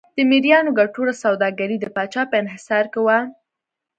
د مریانو ګټوره سوداګري د پاچا په انحصار کې وه.